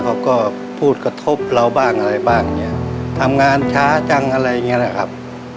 เขาก็พูดกระทบเราบ้างอะไรบ้างเนี้ยทำงานช้าจังอะไรอย่างเงี้นะครับ